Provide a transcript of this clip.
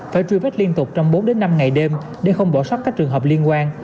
phải truy vết liên tục trong bốn đến năm ngày đêm để không bỏ sót các trường hợp liên quan